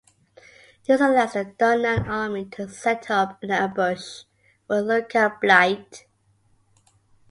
This allows the Dunan army to set up an ambush for Luca Blight.